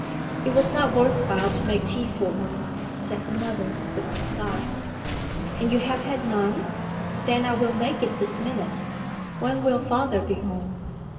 'It was not worth while to make tea for one,' said her mother, with a sigh. 'And you have had none? Then I will make it this minute. When will father be home?'